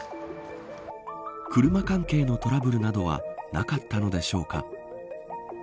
車関係のトラブルなどはなかったのでしょうか。